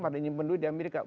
mesti menyimpan duit di amerika